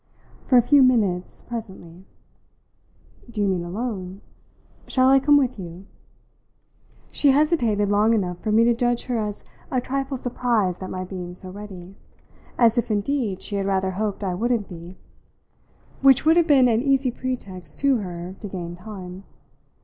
"For a few minutes presently." "Do you mean alone? Shall I come with you?" She hesitated long enough for me to judge her as a trifle surprised at my being so ready as if indeed she had rather hoped I wouldn't be; which would have been an easy pretext to her to gain time.